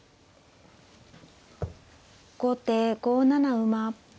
後手５七馬。